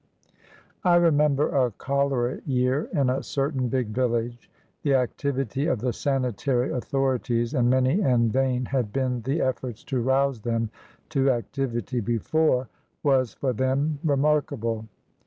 I REMEMBER a "cholera year" in a certain big village. The activity of the sanitary authorities (and many and vain had been the efforts to rouse them to activity before) was, for them, remarkable.